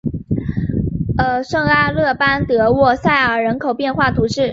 圣阿勒班德沃塞尔人口变化图示